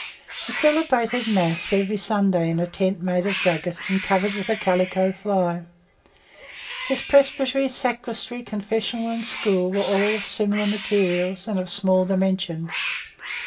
He celebrated Mass every Sunday in a tent made of drugget, and covered with a calico fly. His presbytery, sacristy, confessional, and school were all of similar materials, and of small dimensions.